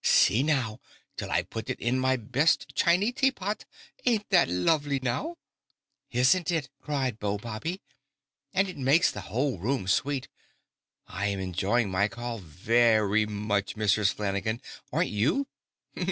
See now, till I put it in my best chiny taypot. Ain't that lovely, now?" "Isn't it!" cried Beau Bobby. "And it makes the whole room sweet. I am enjoying my call very much, Mrs. Flanagan; aren't you?"